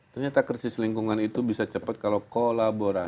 ternyata krisis lingkungan itu bisa cepat kalau kolaborasi